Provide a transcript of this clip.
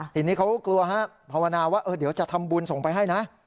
ทีนี้เขาก็กลัวฮะภาวนาว่าเดี๋ยวจะทำบุญส่งไปให้นะ